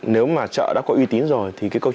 nếu mà chợ đã có uy tín rồi